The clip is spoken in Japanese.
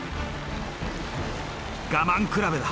我慢比べだ。